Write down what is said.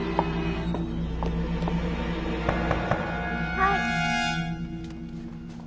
はい。